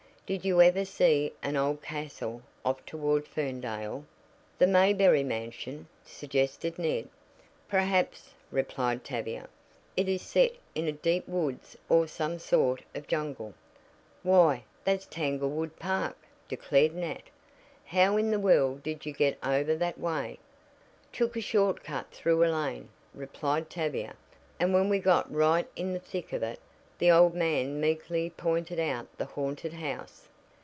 "Did you ever see an old castle off toward Ferndale?" "The Mayberry mansion?" suggested Ned. "Perhaps," replied Tavia. "It is set in a deep woods or some sort of jungle." "Why, that's Tanglewood Park," declared Nat. "How in the world did you get over that way?" "Took a short cut through a lane," replied Tavia, "and when we got right in the thick of it the old man meekly pointed out the haunted house."